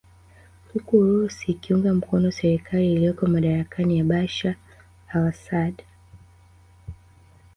Huku Urusi ikiunga mkono serikali iliyoko madarakani ya Bashar Al Assad